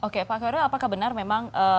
oke pak koirul apakah benar memang